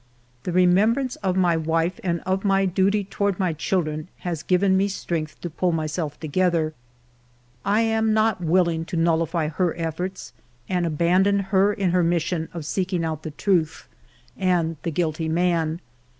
The remembrance of my wife and of my duty toward my children has given me strength to pull myself together. I am not willing to nullify her efforts and abandon her in her mission of seeking out the truth and the guilty man.